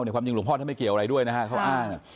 ในความจริงหลวงพ่อไม่เกี่ยวอะไรด้วยนะครับเขาอ้าง